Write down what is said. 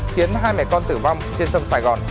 khiến hai mẹ con tử vong trên sông sài gòn